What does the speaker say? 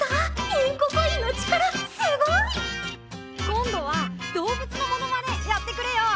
インココインの力すごい！今度は動物のモノマネやってくれよ！